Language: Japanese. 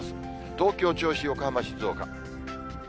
東京、銚子、横浜、静岡。